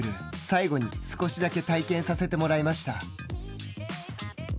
最後に、少しだけ体験させてもらいました。